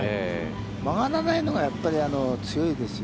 曲がらないのが、やっぱり強いですよ。